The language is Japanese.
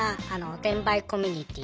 転売コミュニティー。